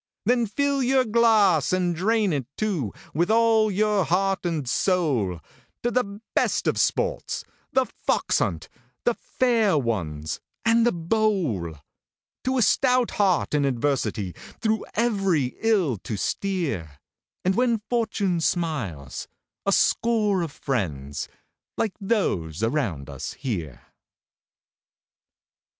Then fill your glass, and drain it, too, with all your heart and soul, To the best of sports The Fox hunt, The Fair Ones, and The Bowl, To a stout heart in adversity through every ill to steer, And when Fortune smiles a score of friends like those around us here.